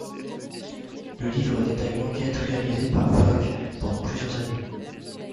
Le livre détaille l'enquête réalisée par Pflock pendant plusieurs années.